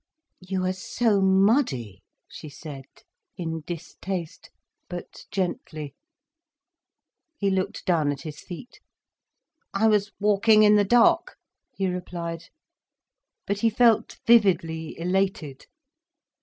"You are so muddy," she said, in distaste, but gently. He looked down at his feet. "I was walking in the dark," he replied. But he felt vividly elated.